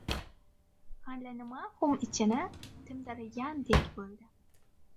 Allanima xum ichini timdalagandek bo‘ldi.